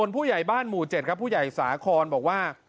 ผู้ใหญ่บ้านหมู่๗ครับผู้ใหญ่สาครบอกว่า